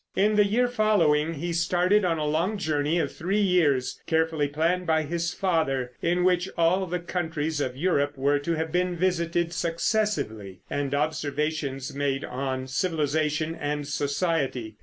In the year following he started on a long journey of three years, carefully planned by his father, in which all the countries of Europe were to have been visited successively, and observations made on civilization and society.